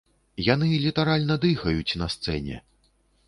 Яны літаральна дыхаюць на сцэне!